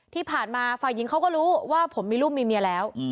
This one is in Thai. ที่ผ่านมาฝ่ายหญิงเขาก็รู้ว่าผมมีลูกมีเมียแล้ว